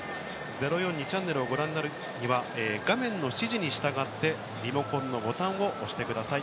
０４２ｃｈをご覧になるには、画面の指示に従って、リモコンのボタンを押してください。